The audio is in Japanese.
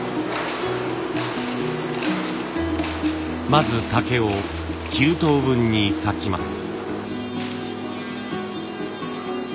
まず竹を９等分に割きます。